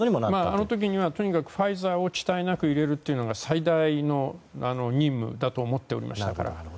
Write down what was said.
あの時はとにかくファイザーを遅滞なく入れるのを最大の任務だと思っておりました。